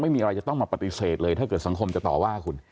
ไม่มีอะไรจะต้องมาปฏิเสธเลยถ้าเกิดสังคมจะต่อว่าคุณ